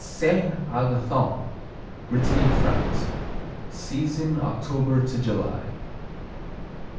Saint Agathon Brittany, France Season, October to July.